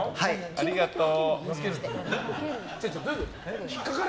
ありがとう。